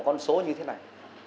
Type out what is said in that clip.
một con số như thế này